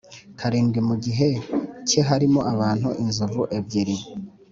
Karindwi mu gihe cye harimo abantu inzovu ebyiri